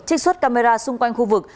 trích xuất camera xung quanh khu vực